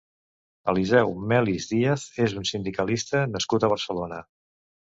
Eliseu Melis Díaz és un sindicalista nascut a Barcelona.